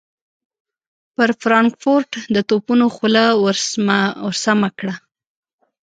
پر فرانکفورټ د توپونو خوله ور سمهکړه.